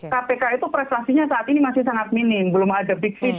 kpk itu prestasinya saat ini masih sangat minim belum ada big fis